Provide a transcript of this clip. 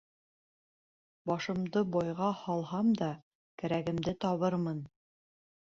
Башымды байға һалһам да, кәрәгемде табырмын.